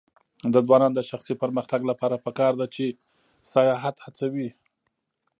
د ځوانانو د شخصي پرمختګ لپاره پکار ده چې سیاحت هڅوي.